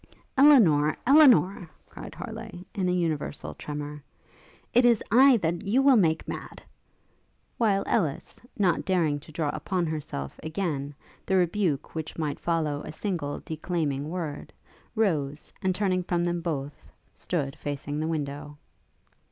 'Elinor! Elinor!' cried Harleigh, in a universal tremour, 'it is I that you will make mad!' while Ellis, not daring to draw upon herself, again, the rebuke which might follow a single declaiming word, rose, and turning from them both, stood facing the window.